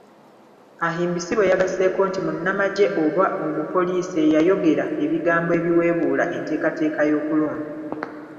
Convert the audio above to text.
Ahimbisibwe yagasseeko nti munnamagye oba omupoliisi eyayogera ebigambo ebiweebuula enteekateeka y'okulonda.